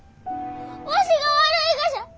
わしが悪いがじゃ！